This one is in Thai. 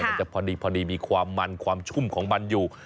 มันจะพอดีมีความมันความชุ่มของมันอยู่